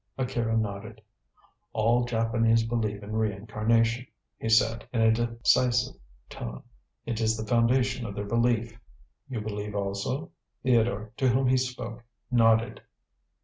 Akira nodded. "All Japanese believe in reincarnation," he said, in a decisive tone; "it is the foundation of their belief. You believe also?" Theodore, to whom he spoke, nodded.